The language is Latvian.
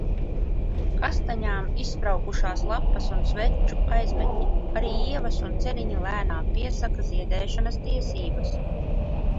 Kastaņām izspraukušās lapas un sveču aizmetņi, arī ievas un ceriņi lēnām piesaka ziedēšanas tiesības.